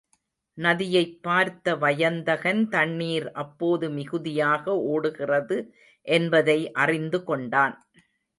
நதியைப் பார்த்த வயந்தகன் தண்ணீர் அப்போது மிகுதியாக ஒடுகிறது என்பதை அறிந்துகொண்டான்.